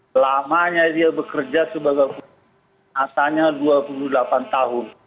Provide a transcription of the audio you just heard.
selamanya dia bekerja sebagai penatanya dua puluh delapan tahun